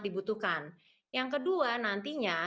dibutuhkan yang kedua nantinya